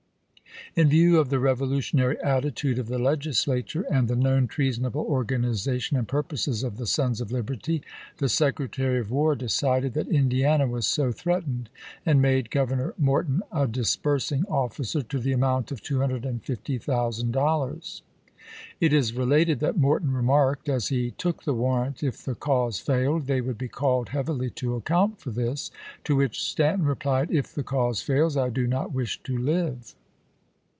In view of the revolutionary attitude of the Legislature, and the known treasonable organization and purposes of the Sons of Liberty, the Secretary of War decided that Indiana was so " threatened," and made Gov ernor Morton a disbursing officer to the amount of 10 ABRAHAM LINCOLN Henry Wilson, in "Atlantic Monthly," Feb., 1870, p. 242. 250,000 dollars. It is related that Morton remarked, as he took the warrant, if the cause failed, they would be called heavily to account for this; to which Stanton replied, " If the cause fails, I do not wish to live."